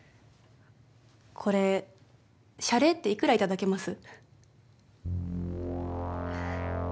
これ謝礼っていくら頂けます？